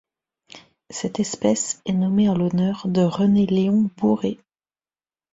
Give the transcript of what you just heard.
Cette espèce est nommée en l'honneur de René Léon Bourret.